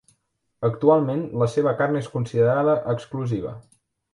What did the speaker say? Actualment la seva carn és considerada exclusiva.